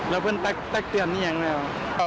แล้วเพื่อนอะไรแกตกเตือนนี่อย่างไรก็